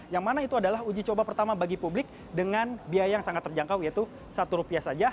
yang mana itu adalah uji coba pertama bagi publik dengan biaya yang sangat terjangkau yaitu rp satu saja